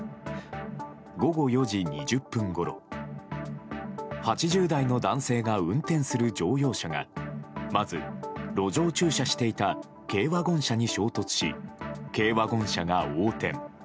午後４時２０分ごろ８０代の男性が運転する乗用車がまず、路上駐車していた軽ワゴン車に衝突し軽ワゴン車が横転。